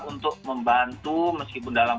untuk membantu meskipun dalam